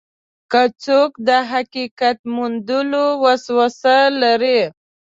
که څوک د حقیقت موندلو وسوسه لري.